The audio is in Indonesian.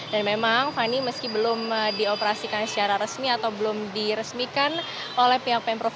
dan memang fani meski belum dioperasikan secara resmi atau belum diresmikan oleh pihak pemprov